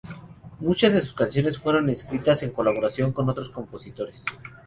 Muchas de sus canciones fueron escritas en colaboración con otros compositores.